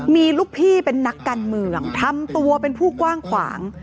มีลูกพี่เป็นนักการเมืองทำตัวเป็นผู้กว้างขวาง